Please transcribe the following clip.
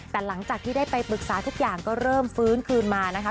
แต่หลังจากที่ได้ไปปรึกษาทุกอย่างก็เริ่มฟื้นคืนมานะคะ